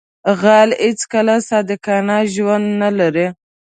غل هیڅکله صادقانه ژوند نه لري